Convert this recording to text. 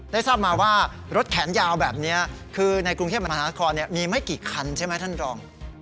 ทราบมาว่ารถแขนยาวแบบนี้คือในกรุงเทพมหานครมีไม่กี่คันใช่ไหมท่านรอง